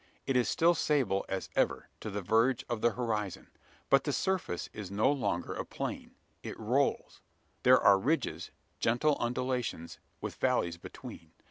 It is still sable as ever, to the verge of the horizon. But the surface is no longer a plain: it rolls. There are ridges gentle undulations with valleys between.